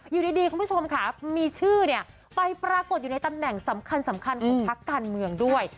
อยู่ดีคุณผู้ชมค่ะมีชื่อเนี่ยไปปรากฏอยู่ในตำแหน่งสำคัญสำคัญของพักการเมืองด้วย